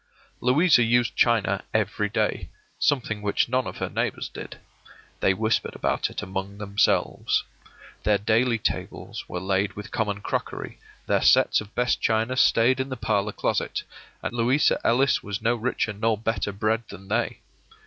Louisa used china every day — something which none of her neighbors did. They whispered about it among themselves. Their daily tables were laid with common crockery, their sets of best china stayed in the parlor closet, and Louisa Ellis was no richer nor better bred than they.